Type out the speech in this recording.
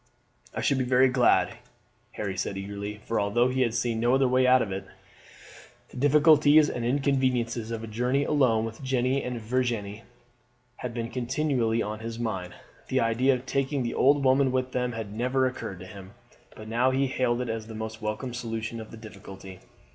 "I should be very glad," Harry said eagerly, for although he had seen no other way out of it, the difficulties and inconveniences of a journey alone with Jeanne and Virginie had been continually on his mind. The idea of taking the old woman with them had never occurred to him, but now he hailed it as a most welcome solution of the difficulty.